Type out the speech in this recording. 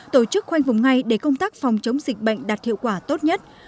tổ chức khoanh vùng ngay để công tác phòng chống dịch bệnh đạt hiệu quả tốt nhất